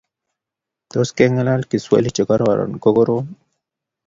Tos kengalal kiswahili che kororon kokorom